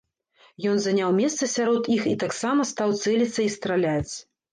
Ён заняў месца сярод іх і таксама стаў цэліцца і страляць.